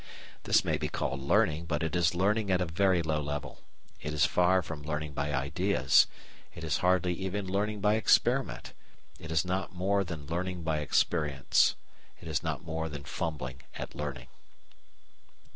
This may be called learning, but it is learning at a very low level; it is far from learning by ideas; it is hardly even learning by experiment; it is not more than learning by experience, it is not more than fumbling at learning!